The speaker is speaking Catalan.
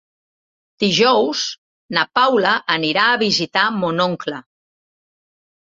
Dijous na Paula anirà a visitar mon oncle.